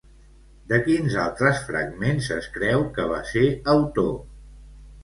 De quins altres fragments es creu que va ser autor?